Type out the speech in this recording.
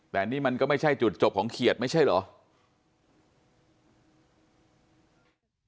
แต่นี่มันก็ไม่ใช่จุดจบของเขียดไม่ใช่เหรอ